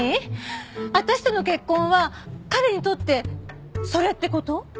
私との結婚は彼にとってそれって事？